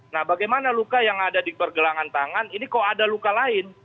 nah bagaimana luka yang ada di pergelangan tangan ini kok ada luka lain